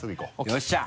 よっしゃ！